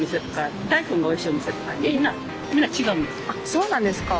そうなんですか？